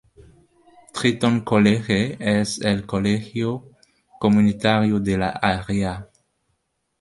Triton College es el colegio comunitario de la área.